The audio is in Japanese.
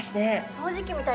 掃除機みたい。